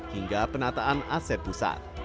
hingga penataan aset pusat